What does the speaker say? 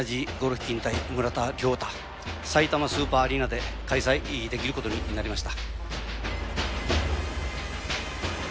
さいたまスーパーアリーナで開催できることになりました。